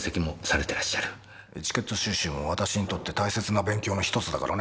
エチケット収集も私にとって大切な勉強の１つだからね。